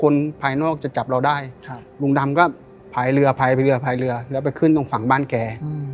แล้วไปขึ้นตรงฝั่งบ้านแก